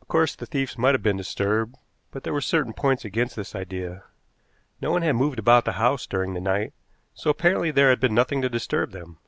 Of course the thieves might have been disturbed, but there were certain points against this idea. No one had moved about the house during the night, so apparently there had been nothing to disturb them.